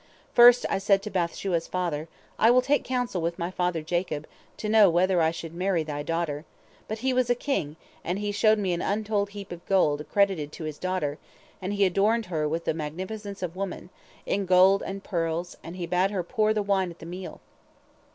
First I said to Bath shua's father, 'I will take counsel with my father Jacob, to know whether I should marry thy daughter,' but he was a king, and he showed me an untold heap of gold accredited to his daughter, and he adorned her with the magnificence of women, in gold and pearls, and he bade her pour the wine at the meal.